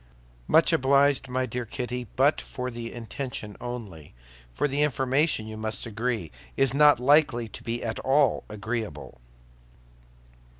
"Much obliged, my dear Kitty; but for the intention only—for the information, you must agree, is not likely to be at all agreeable."